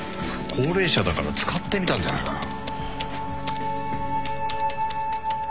高齢者だから使ってみたんじゃないかな。